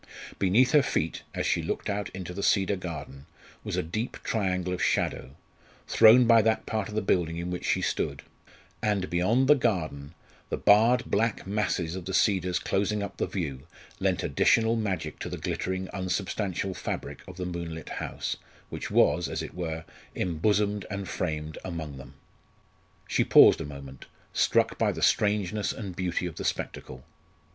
Beneath her feet, as she looked out into the Cedar Garden, was a deep triangle of shadow, thrown by that part of the building in which she stood; and beyond the garden the barred black masses of the cedars closing up the view lent additional magic to the glittering unsubstantial fabric of the moonlit house, which was, as it were, embosomed and framed among them. She paused a moment, struck by the strangeness and beauty of the spectacle.